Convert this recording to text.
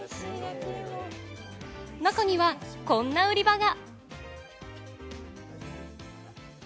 中には、こんな売り場が。